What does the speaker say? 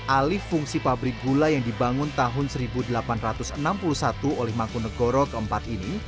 alih fungsi pabrik gula yang dibangun tahun seribu delapan ratus enam puluh satu oleh mangkunegoro keempat ini